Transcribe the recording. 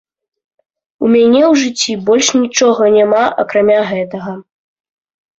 У мяне ў жыцці больш нічога няма, акрамя гэтага.